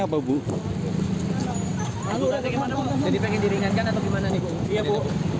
apa bu lalu nanti gimana mau jadi pengen diringankan atau gimana nih iya bu